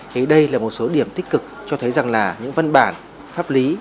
thì đây là một số điểm tích cực cho thấy rằng là những văn bản pháp lý